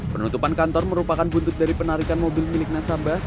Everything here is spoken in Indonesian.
penutupan kantor merupakan buntut dari penarikan mobil milik nasabah